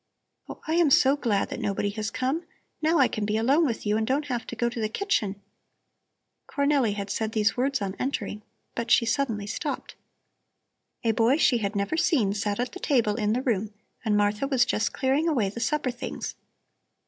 "Oh, I am so glad that nobody has come. Now I can be alone with you and don't have to go to the kitchen " Cornelli had said these words on entering, but she suddenly stopped. A boy she had never seen sat at the table in the room and Martha was just clearing away the supper things.